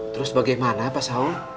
terus bagaimana pak saul